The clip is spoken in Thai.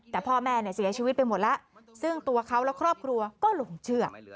แต่พ่อแม่เนี่ยเสียชีวิตไปหมดแล้วซึ่งตัวเขาและครอบครัวก็หลงเชื่อ